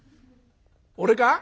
「俺か？